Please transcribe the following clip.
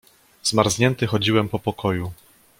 "Zmarznięty chodziłem po pokoju."